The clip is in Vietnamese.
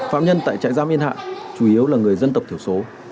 phạm nhân tại trải giam yên hạn chủ yếu là người dân tộc thiểu số